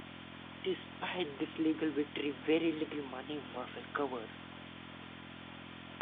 Despite this legal victory, very little money was recovered.